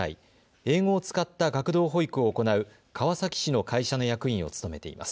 英語を使った学童保育を行う川崎市の会社の役員を務めています。